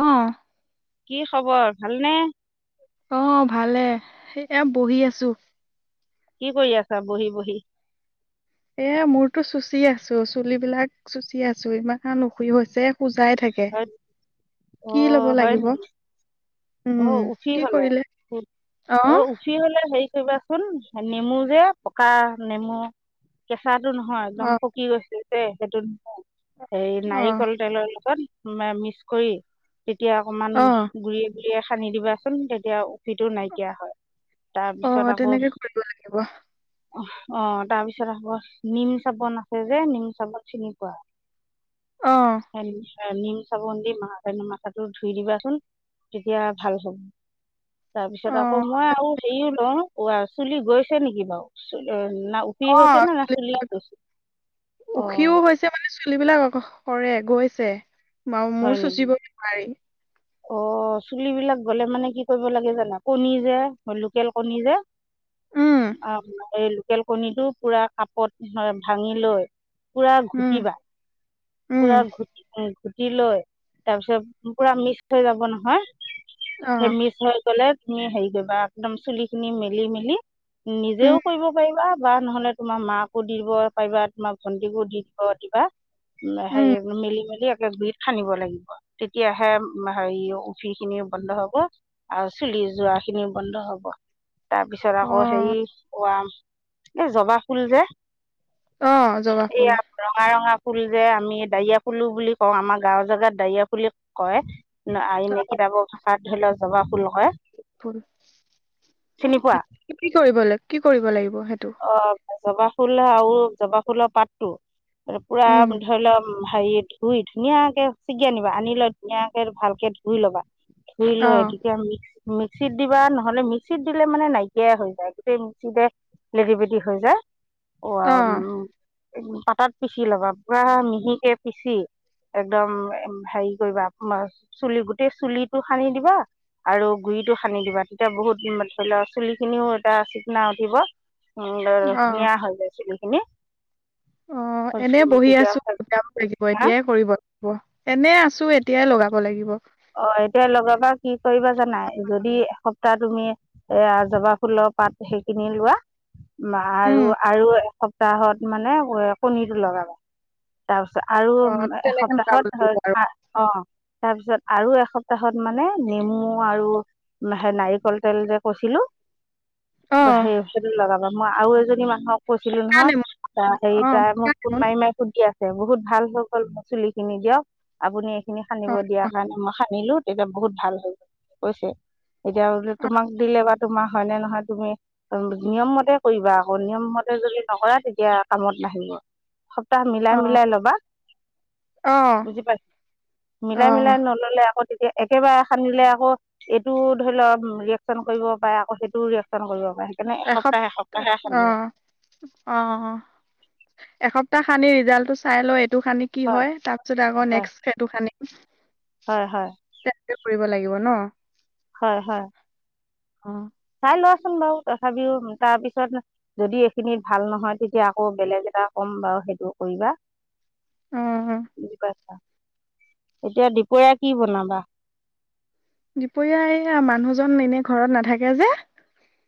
অ। কি খবৰ ভাল নে? অ, ভালেই এইয়া বঢ়ি আছো। কি কৰি আছা বঢ়ি বঢ়ি? এ মোৰতো চুচি আছো, চুলিবিলাক চুচি আছো। ইমান উফি হৈছে খোজাই থাক কে। হয় কি অ' ল'ব হয় লাগিব? নেকি? অ, উম উফি কি হ'লে? কৰিলে উম। অ উফি হ'লে হেৰি কৰিবা চোন নেমু যে পকা নেমু কেঁচাটো নহয় অ একদম পকি গৈছে যে সেইটো হেৰি অ নাৰিকল তেলৰ লগত মিক্স কৰি তেতিয়া অকমান অ গুৰিয়ে গুৰিয়ে সানি দিবাচোন তেতিয়া উফিটো নাইকিয়া হয়। অ তাৰপিছত আকৌ তেনেকে কৰিব লাগিব অ, তাৰপিছত আকৌ নিম চাবোন আছে যে নিম চাবন চিনি পোৱা? [inaudible] অ নিম চাবোন দি মা মাথাটো ধুই দিবাচোন। তেতিয়া ভাল হ'ব। অ তাৰপিছত আকৌ মই আৰু হেৰিও লওঁ অ, আই চুলি গৈছে নেকি বাও চু না উফি অ হৈছে নে চুলি চুলিবিলাক গৈছে, অ'। এতিয়া মানে চুলি বিলাক সৰে গৈছে বা মোৰ চুচিবই নোৱাৰি। অ', চুলিবিলাক গ'লে মানে কি কৰিব লাগে জানা, কণী যে লোকেল কণী যে। উম এই লোকেল কণীটো পুৰা কাপত ভাঙি লৈ। পুৰা উম ঘুতিবা। উম পুৰা ঘুটি উ, ঘুটি লৈ তাৰ পিছত পুৰা মিক্স হৈ যাব নহয়, অ সেই মিক্স হৈ গ'লে তুমি হেৰি কৰিবা একদম চুলি খিনি মেলি মেলি, উম নিজেও কৰিব পাৰিবা বা নহ'লে তোমাৰ মাকো দিব পাৰিবা তোমাৰ ভণ্টিকো দি দিব দিবা। উম হেৰি মেলি মেলি একে গুৰিত সানিব লাগিব, তেতিয়াহে হেৰি, উফি খিনিও বন্ধ হ'ব আৰু চুলি যোৱাখিনিও বন্ধ হ'ব। তাৰ পিছত অ আকৌ হেৰি, উৱা এই জবা ফুল যে। অ জবা ফুল এইয়া ৰঙা ৰঙা ফুল যে আমি দাৰিয়া ফুলো বুলি কওঁ। আমাৰ গাঁওৰ জেগাত দাৰিয়া ফুলি কয়। আহ, এনে কিতাপ ভাষাত ধৰি লওক জবা ফুল হয়। কি কৰিব লৈ, কি কৰিব লাগিব সেইটো? অ', জবা ফুল আৰু জবা ফুলৰ পাতটো। পুৰা উম ধৰি ল' হেৰিত ধুই, ধুনীয়াকে চিগি আনিবা, আনি লৈ ধুনীয়াকে ভালকে ধুই ল'বা। ধুই অ লৈ তেতিয়া মিক্স মিক্সিত দিবা, নহ'লে মিক্সিত দিলে মানে নাইকিয়াই হৈ যায়, গোটেই মিক্সিতে লেতি পেতি হৈ যায়। অ পতাত পিচি ল'বা, পুৰা মিহিকে পিচি। একদম হেৰি কৰিবা, চুলি গোটেই চুলিটো সানি দিবা। আৰু গুৰিটো সানি দিবা, তেতিয়া বহুত ধৰি লোৱা চুলি খিনিও এটা চিকনা উঠিব। উম, বৰ অ ধুনীয়া হৈ যায় চুলিখিনি। অ', এনে বহি তেতিয়া আছোঁ, [unintelligible] হা এতিয়াই কৰিব। এনেই আছোঁ এতিয়াই লগাব লাগিব। অ', এতিয়াই লগাবা কি কৰিবা জানা, যদি এসপ্তাহ তুমি এয়া জবা ফুলৰ পাত সেইখিনি লোৱা। উম আৰু আৰু এসপ্তাহত মানে কণীটো লগাবা। তাৰপিছত আৰু অ তেনেকে লগাব লাগিব আৰু এসপ্তাহত অ', তাৰপিছত আৰু এসপ্তাহত মানে নেমু আৰু সেই নাৰিকল তেল যে কৈছিলো। অ সেই সেইটো লগাবা মই আৰু এজনী মানুহক কৈছিলো নহয়, কাৰণে ত হেৰি অ তাই পকা মোক ফোন নেমু মাৰি মাৰি সুধি আছে বহুত ভাল হৈ গ'ল মোৰ চুলি খিনি দিয়ক, আপুনি এইখিনি অ সানিব দিয়া কাৰনে মই সানিলো, তেতিয়া বহুত ভাল হৈ কৈছে। এতিয়া বোলে তোমাক দিলে বা তোমাৰ হয় নে নহয়, তুমি নিয়ম মতে কৰিবা আকৌ নিয়ম মতে যদি নকৰা তেতিয়া কামত নাহিব। সপ্তাহ মিলাই অ মিলাই ল'বা, অ অ বুজি পাই, মিলাই অ মিলাই নল'লে আকৌ তেতিয়া একেবাৰে সানিলে আকৌ এইটো ধৰি লওক ৰিয়েকচন কৰিব পাৰে আকৌ সেইটোও ৰিয়েকচন কৰিব পাৰে। সেইকাৰণে এসপ্তাহ এসপ্তাহে সানিবা। অ', অ', এসপ্তাহ সানি ৰিজাল্ট টো চাই লৈ এইটো সানি কি হয় তাৰ পিছত আকৌ হয় নেক্সট সেইটো সানিম। হয়, হয়। [unintelligible] কৰিব লাগিব ন? হয়, হয়। অ'। চাই লোৱাচোন বাৰু তথাপিও, তাৰপিছত যদি এইখিনিত ভাল নহয়, তেতিয়া আকৌ বেলেগ এটা ক'ম বাও সেইটো কৰিবা। অ বুজি পাইছা? এতিয়া দুপৰীয়া কি বনাবা? দুপৰীয়া এইয়া মানুহজন এনে ঘৰত নাথাকে যে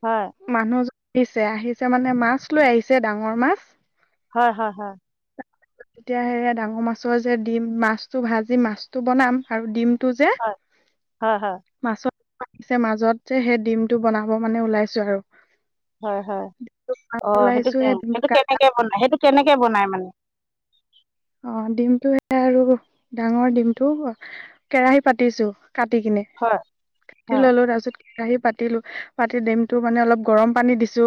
হয়। মানুহজন আহিছে, আহিছে মানে মাছ লৈ আহিছে ডাঙৰ মাছ। হয়, হয়, হয়। তেতিয়া সেয়া ডাঙৰ মাছৰ যে ডিম মাছটো ভাজি মাছটো বনাম, আৰু ডিমটো যে হয়, হয়, হয়। মাছত [unintelligible] ছে মাজত যে, সেই ডিমটো বনাব মানে ওলাইছো আৰু। হয়, হয়। অ', সেইটো ওলাইছো সেই ডিমটো সেইটো কা কেনেকে বনাই, কেনেকে বনাই মানে? অ', ডিমটো সেয়া আৰু ডাঙৰ ডিমটো, কেৰাহি পাতিছো কাটি কিনে। হয় হয় ল'লো, তাৰ পিছত কেৰাহি পাতিলোঁ, পাতি ডিমটো মানে অলপ গৰম পানী দিছো,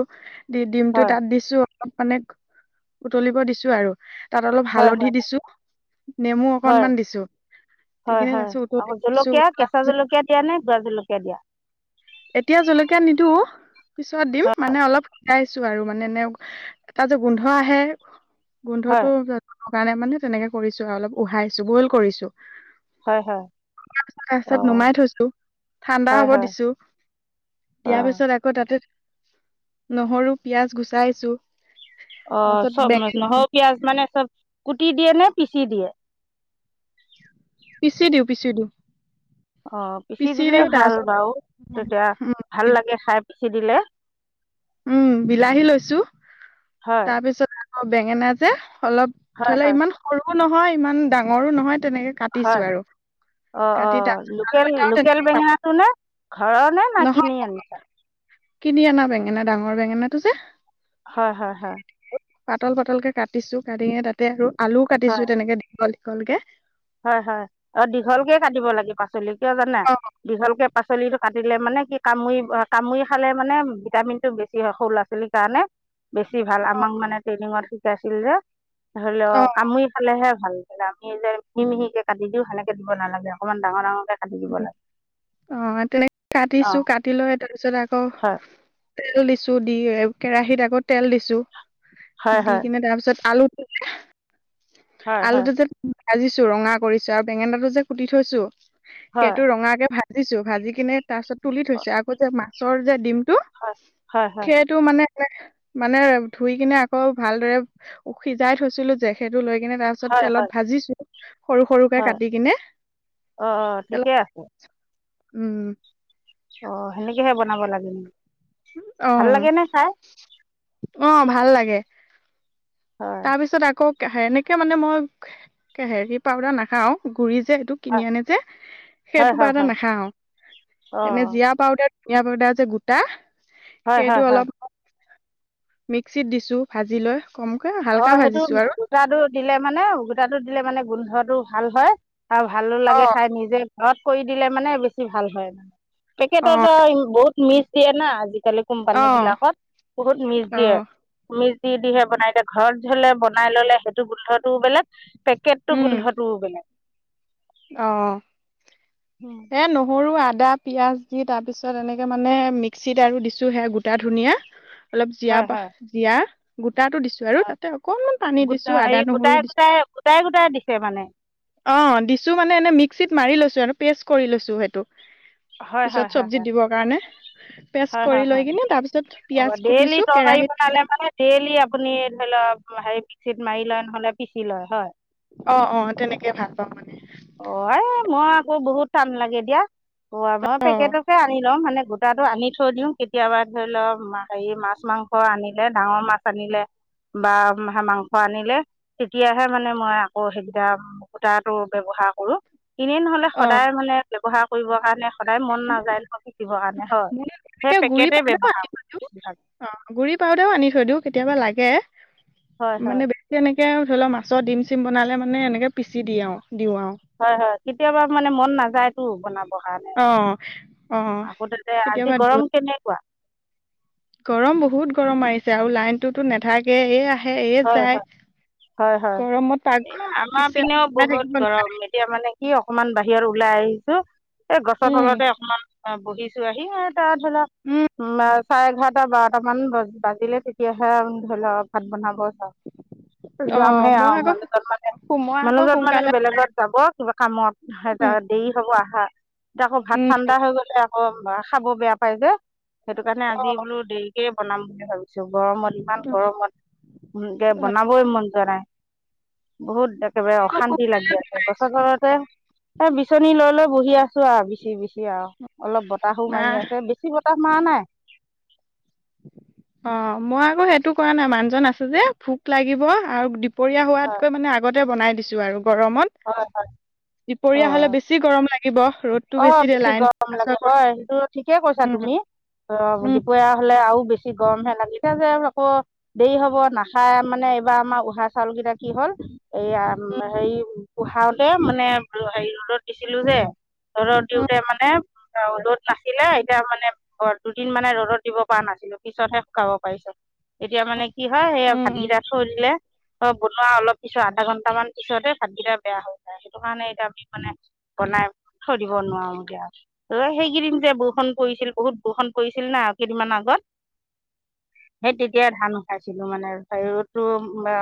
দি ডিমটো হয় তাত দিছো। অলপ মানে উতলিব দিছো আৰু তাত অলপ হয় হয় হালধি দিছো, নেমু হয় অকনমান দিছো। দি হয়, কিনে হয়। তাৰপিছত আকৌ উতলি দিছো জলকীয়া, উতলাৰ কেঁচা পিছত জলকীয়া দিয়া নে বুৰা জলকীয়া দিয়া? এতিয়া জলকীয়া নিদো, পিছত দিম হয় মানে অলপ [unintelligible] ছো আৰু মানে [unintelligible] এটা যে গোন্ধ আহে গোন্ধটো হয় কাৰণে মানে তেনেকে কৰিছো আৰু অলপ উহাইছো বইল কৰিছো। হয় হয় [unintelligible] তাৰচত অঁ নুমাই থৈছো, ঠাণ্ডা হয় হ'ব হয় দিছো। দিয়াৰ অঁ পিছত আকৌ তাতে নহৰু, পিয়াজ গুচাইছো। অ', তাৰপিছত চব বেঙে নহৰু, পিয়াজ মানে চব কুটি দিয়ে নে পিচি দিয়ে? পিচি দিওঁ, পিচি দিওঁ। অ', পিচি দিলে দিওঁ ভাল তাৰপিছত বাও তেতিয়া উম ভাল লাগে খাই পিচি দিলে। উম বিলাহী লৈছো, হয় তাৰপিছত আকৌ বেঙেনা যে অলপ হয় ধৰি ল হয় ইমান সৰুও নহয় ইমান ডাঙৰো নহয় তেনেকে হয় কাটিছো আৰু। অ, অ, কাটি তাৰপিছত আৰু লোকেল, এটাও লোকেল তেনেকে পাত বেঙেনাটো নে ঘৰৰ নে না নহয় কিনি আনিছা? কিনি আনা বেঙেনা, ডাঙৰ বেঙেনাটো যে। হয়, হয়, হয়। পাতল-পাতলকে কাটিছো, কাটি কিনে তাতে আৰু আলুও কাটিছো হয় তেনেকে দীঘল-দীঘলকে। হয়, হয়, অ', দীঘলকেই কাটিব লাগে পাচলি, কিয় জানা? অ দীঘলকে পাচলিটো কাটিলে মানে কি কামুৰি ব কামুৰি খালে মানে ভিটামিনটো বেছি হয় সৰু ল'ৰা ছোৱালী কাৰণে বেছি ভাল, আমাক মানে ট্ৰেইনিঙত শিকাইছিল যে, ধৰি লও অ কামুই খালেহে ভাল। আমি যে মিহি-মিহিকে কাটি দিওঁ সেনেকে দিব নালাগে, অকমান ডাঙৰ-ডাঙৰকে অ', তেনেক অ কাটিছো কাটি লৈ তাৰপিছত আকৌ হয় তেল দিছো, দি কেৰাহীত আকৌ তেল দিছো, হয় দি হয় কিনে তাৰপিছত আলু হয় হয় আলুটো যে ভাজিছো ৰঙা কৰিছো আৰু বেঙেনাটো যে কুটি থৈছো হয় সেইটো ৰঙাকে ভাজিছো, ভাজি কিনে তাৰছত তুলি থৈছো, আকৌ যে মাছৰ যে ডিমটো হয়, হয়, হয়। সেইটো মানে এ মানে ধুই কিনে আকৌ ভালদৰে সিজাই থৈছিলো যে সেইটো লৈ কিনে তাৰ পিছত হয় তেলত হয় ভাজিছো, সৰু সৰুকে কাটি কিনে। অ', ঠিকে আছে। উ। অ', সেনেকেহে বনাব লাগে [unintelligible] ভাল অ'। লাগেনে খাই অ', ভাল লাগে। হয় তাৰপিছত আকৌ কে সেনেকে মানে মই, কে হেৰি পাউদাৰ নাখাওঁ গুৰি যে সেইটো। হয় কিনি আনে যে, হয় সেইটো হয় পাউদাৰ হয় নাগাওঁ। অঁ এনে জীৰা পাউদাৰ জীৰা পাউদাৰ যে গোটা, হয় হয় সেইটো হয় অলপ মিক্সিত দিছোঁ। ভাজি লৈ কম অ', সেইটো গোটাটো দিলে মানে, গোটাটো দিলে মানে গোন্ধটো ভাল হয়। আৰু ভালো অ লাগে খাই নিজে ঘৰত কৰি দিলে মানে বেছি ভাল হয়। পেকেটত অ আও বহুত মিছ দিয়ে না আজি কালি কোম্পানী অ বিলাকত, বহুত মিছ অ দিয়ে, মিছ দি দিহে বনাই এত ঘৰত ঝলে বনাই ললে সেইটো গোন্ধটোও বেলেগ পেকেটটো উম গোন্ধটোও বেলেগ। অ'। উ। এ নুহুৰু আদা পিঁয়াজ দি তাৰপিছত এনেকে মানে মিক্সিত আৰু দিছো হে গোটা ধুনীয়া। অলপ জীয়া হয় পা, হয় জীয়া, গোটাটো দিছো। আৰু হয় তাতে অকণমান পানী গোট দিছো, হেৰি আদা গোটাই নহৰু দিছো গোটাই গোটাই গোটাই দিছে মানে অ', দিছো মানে এনে মিক্সিত মাৰি লৈছো আৰু পেষ্ট কৰি লৈছো সেইটো। হয় হয় পিছত হয় চব্জিত হয় দিবৰ কাৰণে। পেষ্ট হয় হয় কৰি হয় লৈ কিনে তাৰ পিছত পিয়াজ কুটিছো, কেৰাহীত খালে মানে ডেইলি আপুনি ধৰি লওঁক, হেৰি মিক্সিত মাৰি লয় নহলে পিচি লয়, হয়। অ', অ', তেনেকে ভাল পাওঁ মানে। অ', এই মই আকৌ বহুত টান লাগে দিয়া। ওৱা মই অ পেকেটকে আনি লওঁ, মানে গোটাটো আনি থৈ দিওঁ কেতিয়াবা ধৰি ল হেৰি মাছ-মাং স আনিলে, ডাঙৰ মাছ আনিলে। বা মাংস আনিলে, তেতিয়াহে মানে মই আকৌ সেইকেইটা গুটাটো ব্যবহাৰ কৰো। ইনেই নহলে অ সদায় মানে ব্যৱহাৰ কৰিব কাৰণে সদায় মন কিন্তু নাযায় নহয় পিচিবৰ কাৰণে হয়, মই সেই এনেকে গুড়ি পেকেটে পাউদাৰো ব্যৱহাৰ আনি থৈ দিওঁ অ', গুৰি পাউদাৰও আনি থৈ দিওঁ, কেতিয়াবা লাগে। হয় হয় মানে বে তেনেকে আও ধৰি লওঁক মাছৰ ডিম চিম বনালে মানে এনেকে পিচি দিও দিওঁ আৰু। হয়, হয়। কেতিয়াবা মানে মন নাযায় টো বনা পঢ়া নাই। অ অ আকৌ তাতে আজি কেতিয়াবা গৰম দিওঁ কেনেকুৱা? গৰম বহুত গৰম মাৰিছে আৰু লাইনটোতো নেথাকেই, এই আহে এ হয় হয় যায়। হয়, হয়। গৰমত পাক আমাৰ কিচেন পিনেও সোমাই থাকিব বহুত নোৱাৰি গৰম এতিয়া মানে কি, অকমান বাহিৰত ওলাই আহিছো, এই গছৰ উম তলতে অকমান অ', বহিছো আহি এই তাত ধৰি ল, উম মাছ চাৰে এঘাৰটা, বাৰটামান বাজিলে তেতিয়াহে ধৰি ল, ভাত বনাব যাওঁ। অ যাম হে মই আও আকৌ মানে তাত মানে সো- মই আকৌ মানুহজন মানে সোনকালে বেলেগত যাব কিবা কামত উম হাইদাত। দেৰি হ'ব আহা। এতিয়া আক' ভাত উম ঠাণ্ডা হৈ গ'লে আক' খাব বেয়া পাই যে। সেইটো কাৰণে অ আজি বোলো দেৰিকেই বনাম বুলি ভাবিছো। গৰমত ইমান গৰমত। ও, কে বনাবই মন যোৱা নাই। বহুত দাক একেবাৰে আকৌ অশান্তি লাগি সোনকালে আছে, গছৰ তলতে এ, বিচনী লৈ লৈ বহি আছ আছো আৰু বিছি-বিছি আৰু। অলপ বতাহো মাৰি নাই আছে বেছি বতাহ মাৰা নাই। অহ, মই আকৌ সেইটো কৰা নাই। মানুহজন আছে যে, ভোক লাগিব আৰু দুপৰীয়া হয় হোৱাতকৈ মানে আগত বনাই দিছো আৰু গৰমত। হয় দুপৰীয়া হ'লে বেছি গৰম লাগে। অহ, বেছি গৰম লাগে হয় সেইটো ঠিকে কৈছা উম তুমি। অহ, উম দুপৰীয়া হ'লে আৰু বেছি গৰমহে লাগে। এতিয়া যে আকৌ দেৰি হ'ব নাখাই মানে এইবাৰ আমাৰ উহা চাউলকেইটা কি হ'ল এইয়া উম, হেৰি ওহাওতে মানে হেৰি ৰ'দত দিছিলোঁ যে ৰ'দত দিওঁতে মানে ৰ'দত নাছিলে, এতিয়া মানে দুদিন মানে ৰ'দত দিব পৰা নাছিলোঁ, পিছতহে শুকাব পাৰিছোঁ। এতিয়া মানে কি হয় এই উম উম ভাতকেইটা থৈ দিলে অ বনোৱা অলপ পিছত, আধা ঘন্টামান পিছতে ভাতকেইটা বেয়া হৈ যায়। সেইটো কাৰণে এতিয়া আমি মানে বনাই থৈ দিব নোৱাৰো এতিয়া। অহ, সেইকেইদিন যে বৰষুণ পৰিছিল বহুত বৰষুন পৰিছিল না কেইদিনমান আগত। [inaudible] সেই তেতিয়া ধান ওহাইচিলো মানে ৰ'দতো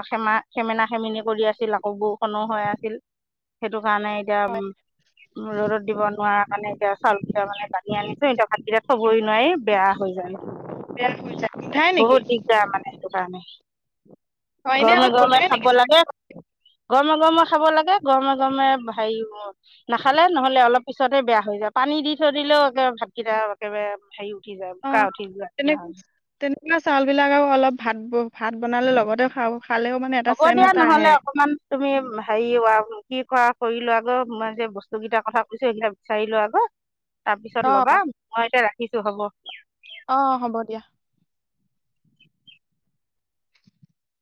খেমা-খেমেনা-খেমনি কৰি আছিল আকৌ বৰ বৰষুণো হৈ আছিল, সেইটো কাৰণে এতিয়া উম ৰ'দত দিব নোৱাৰা কাৰণে এতিয়া চাউল কেইটা মানে বান্ধি আনিছো, এতিয়া ভাতকেইটা থবই নোৱাৰি বেয়া হৈ যায়। বেয়া হৈ যায়, গোন্ধাই নেকি? যায় মানে সেইটো কাৰণে, অ এনে গৰমে অলপ গৰমে গোন্ধাই নেকি খাব লাগে। গৰমে গৰমে খাব লাগে। গৰমে গৰমে হেৰি খালে নহ'লে অলপ পিছতে বেয়া যায়। পানী দি থৈ দিলেও একে ভাতকেইটা একেবাৰে উঠি যায়, বুকা উঠি যোৱা নিছিনা হয়। কন্টোলৰ চাউলবিলাক আৰু অলপ ভাতবোৰ, ভাত বনালে লগতে খাওঁ খালেও মানে এটা হ'ব চেন দিয়া এটা আহে নহ'লে অকমান তুমি হেৰি হোৱা, কি কৰা কৰিলোৱা গৈ মই যে বস্তু কিটাৰ কথা কৈছো সেইকেইটা বিচাৰি লোৱা গৈ। অ তাৰপিছত ল'বা, মই এতিয়া ৰাখিছোঁ হ'ব। অহ, হ'ব দিয়া।